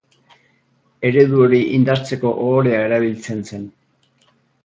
Eredu hori indartzeko ohorea erabiltzen zen.